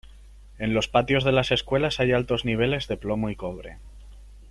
En los patios de las escuelas hay altos niveles de plomo y cobre.